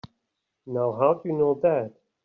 Now how'd you know that?